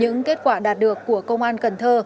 những kết quả đạt được của công an cần thơ